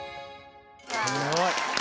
すごい。